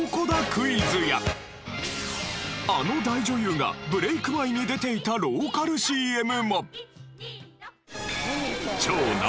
クイズやあの大女優がブレーク前に出ていたローカルＣＭも。